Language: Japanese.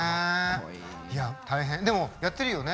いや大変でもやってるよね